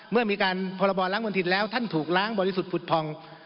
เมื่อมีการพรบล้างบนถิ่นแล้วท่านถูกล้างบริสุทธิ์ผุดผ่อง